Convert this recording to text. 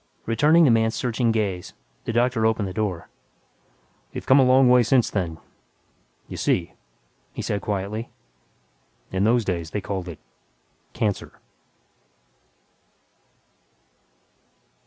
Returning the man's searching gaze, the doctor opened the door, "We've come a long way since then. You see," he said quietly, "in those days they called it 'cancer'."